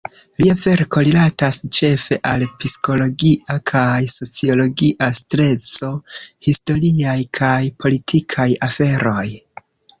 Lia verko rilatas ĉefe al psikologia kaj sociologia streso, historiaj kaj politikaj aferoj.